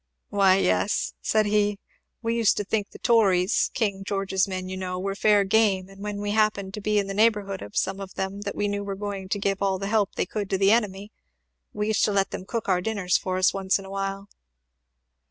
"Why yes," said he, "we used to think the tories, King George's men you know, were fair game; and when we happened to be in the neighbourhood of some of them that we knew were giving all the help they could to the enemy, we used to let them cook our dinners for us once in a while."